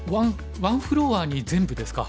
ワンフロアに全部ですか。